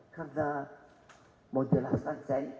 karena mau jelaskan saya